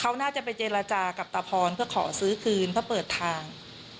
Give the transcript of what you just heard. เขาน่าจะไปเจรจากับตาพรเพื่อขอซื้อคืนเพื่อเปิดทาง